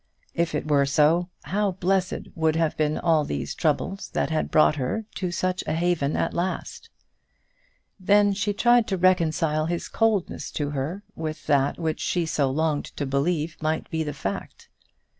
If it were so, how blessed would have been all these troubles that had brought her to such a haven at last! Then she tried to reconcile his coldness to her with that which she so longed to believe might be the fact.